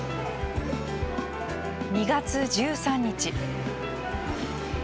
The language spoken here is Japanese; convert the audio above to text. ２月１３日。